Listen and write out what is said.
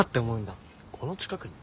この近くに？